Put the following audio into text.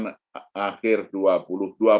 dengan sejumlah negara yang berkembang